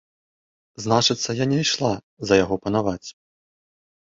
Значыцца, я не ішла за яго панаваць.